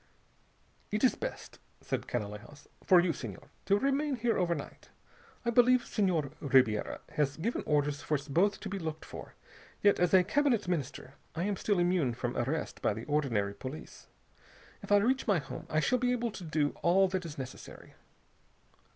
"It is best," said Canalejas, "for you, Senhor, to remain here overnight. I believe Senhor Ribiera has given orders for us both to be looked for, yet as a Cabinet Minister I am still immune from arrest by the ordinary police. If I reach my home I shall be able to do all that is necessary."